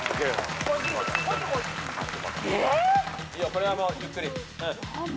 これはもうゆっくり。